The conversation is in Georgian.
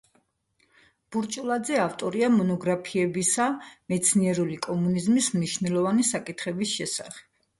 ბურჭულაძე ავტორია მონოგრაფიებისა მეცნიერული კომუნიზმის მნიშვნელოვანი საკითხების შესახებ.